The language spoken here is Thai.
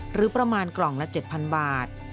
หรือประมาณกล่องละ๗๐๐บาท